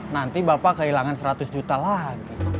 nanti bapak kehilangan seratus juta lagi